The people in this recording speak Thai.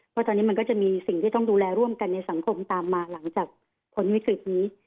เพราะตอนนี้มันก็จะมีสิ่งที่ต้องดูแลร่วมกันในสังคมตามมาหลังจากพ้นวิกฤตนี้